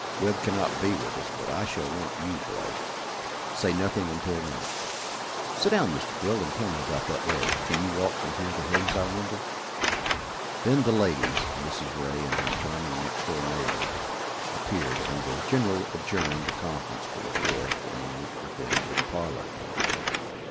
Webb cannot be with us, but I shall want you, Blake. Say nothing until then. Sit down, Mr. Field, and tell me about that leg. Can you walk from here to Hay's, I wonder?" Then the ladies, Mrs. Ray and her charming next door neighbor, appeared, and the general adjourned the conference forthwith, and went with them to the parlor.